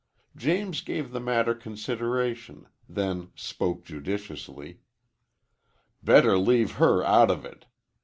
James gave the matter consideration, then spoke judicially. "Better leave her out of it.